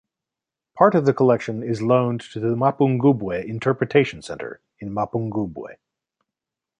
Part of the collection is loaned to the Mapungubwe Interpretation Center in Mapungubwe.